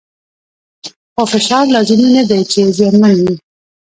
خو فشار لازمي نه دی چې زیانمن وي.